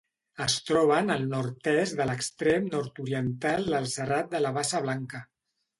Es troben al nord-est de l'extrem nord-oriental del Serrat de la Bassa Blanca.